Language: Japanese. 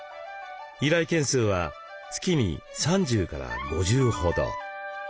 依頼件数は月に３０５０ほど。